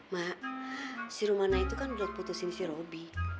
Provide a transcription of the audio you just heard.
mak si rumana itu kan buat putusin si robi